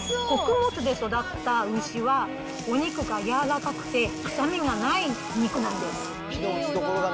穀物で育った牛は、お肉が柔らかくて臭みがない肉なんです。